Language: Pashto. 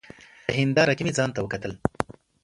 په هېنداره کي مي ځانته وکتل !